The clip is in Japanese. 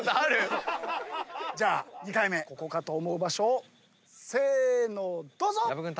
じゃあ２回目ここかと思う場所をせーのどうぞ！